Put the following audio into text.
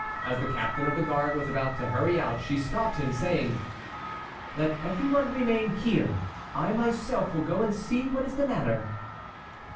As the captain of the guard was about to hurry out, she stopped him, saying: "Let every one remain here. I myself will go and see what is the matter."